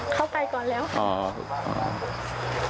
เขาไปก่อนแล้วค่ะ